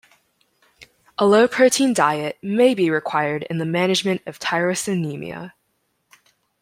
A low protein diet may be required in the management of tyrosinemia.